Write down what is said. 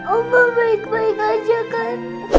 allah baik baik aja kan